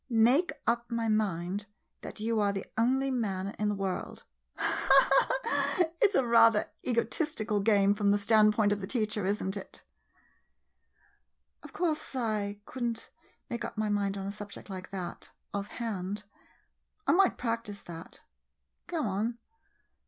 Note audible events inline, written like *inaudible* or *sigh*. ]" Make up my mind that you are the only man in the world! " *laughs* It 's rather an egotistical game from the standpoint of the teacher, is n't it ? [Seriously.] Of course, I could n't make up my mind on a subject like that — offhand. I — I might practise that. Go on.